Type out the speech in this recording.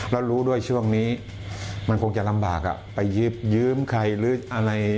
แล้วรู้ด้วยช่วงนี้มันคงจะลำบากไปยืมใครหรืออะไร